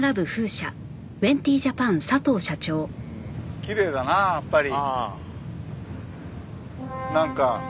うんきれいだなやっぱり。